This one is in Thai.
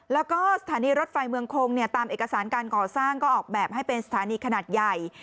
แล้วก็สถานีรถไฟเมืองคงตามเอกสารการก่อสร้างก็ออกแบบให้เป็นสถานีขนาดใหญ่